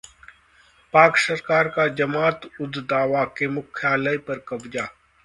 पाक सरकार का जमात-उद-दावा के मुख्यालय पर कब्जा